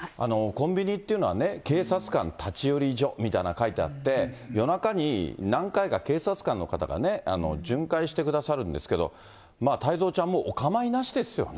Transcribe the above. コンビニっていうのは、警察官立ち寄り所みたいなのが書いてあって、夜中に何回か警察官の方が巡回してくださるんですけど、太蔵ちゃん、もうお構いなしですよね。